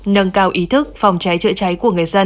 nâng cao ý thức phòng cháy chữa cháy của người dân